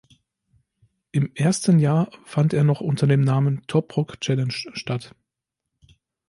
Im ersten Jahr fand er noch unter dem Namen "Top Rock Challenge" statt.